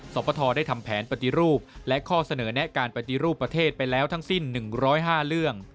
สปทได้ทำแผนปฏิรูปและข้อเสนอแนะการปฏิรูปประเทศไปแล้วทั้งสิ้น๑๐๕เรื่อง